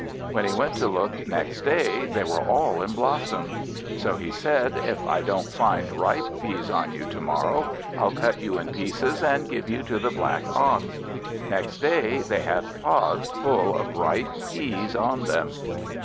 When he went to look next day they were all in blossom. So he said, "If I don't find ripe peas on you to morrow I'll cut you in pieces and give you to the black Ox." Next day they had pods full of ripe peas on them.